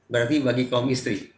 berarti bagi kaum istri